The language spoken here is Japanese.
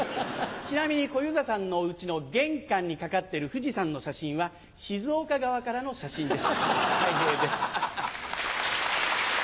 ちなみに小遊三さんのお家の玄関に掛かってる富士山の写真は静岡側からの写真ですたい平です。